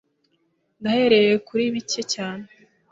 Nahereye kuri bike cyane